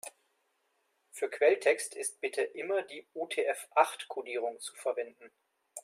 Für Quelltext ist bitte immer die UTF-acht-Kodierung zu verwenden.